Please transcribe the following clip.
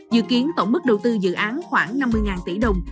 dự kiến tổng mức đầu tư dự án khoảng năm mươi tỷ đồng